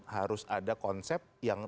harus ada konsep yang